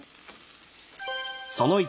その１。